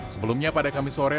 sebelumnya pada kamis sore